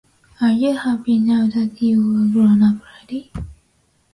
Are you happy now that you are a grown-up lady?